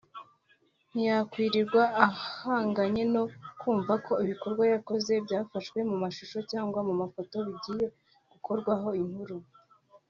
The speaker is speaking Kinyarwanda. ntiyakwirirwa ahanganye no kumva ko ibikorwa yakoze byafashwe mu mashusho cyangwa mu mafoto bigiye gukorwaho inkuru